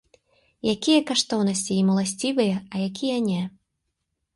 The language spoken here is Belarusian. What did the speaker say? Якія каштоўнасці ім уласцівыя, а якія не?